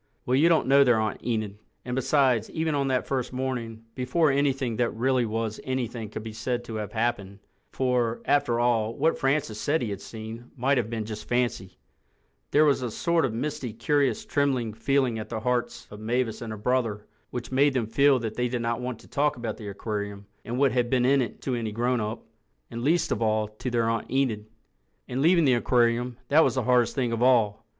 Well, you don't know their Aunt Enid. And besides, even on that first morning, before anything that really was anything could be said to have happened—for, after all, what Francis said he had seen might have been just fancy—there was a sort of misty, curious, trembling feeling at the hearts of Mavis and her brother which made them feel that they did not want to talk about the aquarium and what had been in it to any grown up—and least of all to their Aunt Enid. And leaving the aquarium, that was the hardest thing of all.